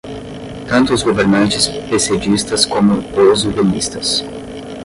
tanto os governantes pessedistas como os udenistas